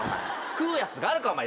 食うやつがあるか。